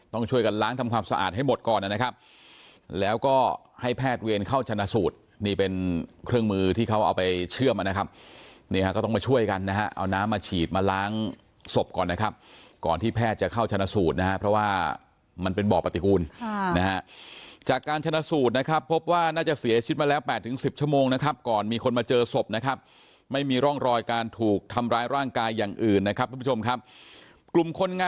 ต้องช่วยกันล้างทำความสะอาดให้หมดก่อนนะครับแล้วก็ให้แพทย์เวียนเข้าชนะสูตรนี่เป็นเครื่องมือที่เขาเอาไปเชื่อมนะครับเนี่ยก็ต้องมาช่วยกันนะฮะเอาน้ำมาฉีดมาล้างศพก่อนนะครับก่อนที่แพทย์จะเข้าชนะสูตรนะฮะเพราะว่ามันเป็นบ่อปฏิกูลนะฮะจากการชนะสูตรนะครับพบว่าน่าจะเสียชิดมาแล้ว๘๑๐ชั่วโมงนะคร